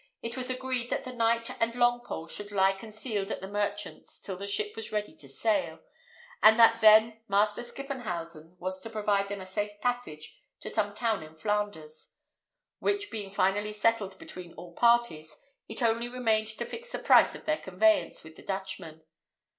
It was agreed that the knight and Longpole should lie concealed at the merchant's till the ship was ready to sail, and that then Master Skippenhausen was to provide them a safe passage to some town in Flanders; which being finally settled between all parties, it only remained to fix the price of their conveyance with the Dutchman.